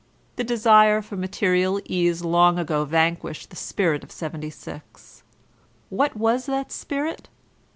The desire for mate rial ease long ago vanquished the spirit of '76. What was that spirit?